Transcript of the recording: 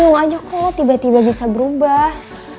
kita bingung aja kalau lo tiba tiba bisa berubah